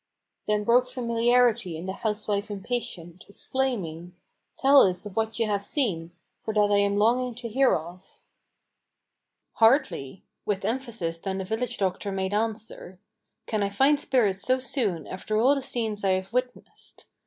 Then broke familiarly in the housewife impatient, exclaiming: "Tell us of what ye have seen; for that I am longing to hear of!" "Hardly," with emphasis then the village doctor made answer, "Can I find spirits so soon after all the scenes I have witnessed.